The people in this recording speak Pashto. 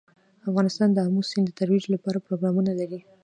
افغانستان د آمو سیند د ترویج لپاره پروګرامونه لري.